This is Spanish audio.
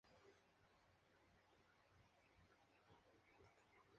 Es miembro de honor del Salón de la Fama del Hockey.